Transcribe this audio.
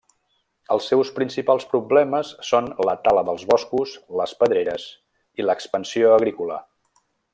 Els seus principals problemes són la tala dels boscos, les pedreres i l'expansió agrícola.